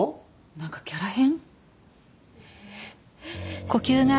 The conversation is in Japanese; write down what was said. なんかキャラ変？